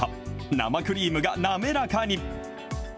生クリームが滑らかに。